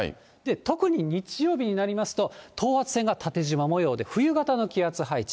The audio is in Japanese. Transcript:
特に日曜日になりますと、等圧線が縦じま模様で、冬型の気圧配置。